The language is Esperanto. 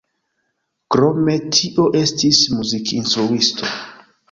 Krome tio estis muzikinstruisto.